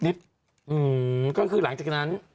ก็คือหลังจากนั้น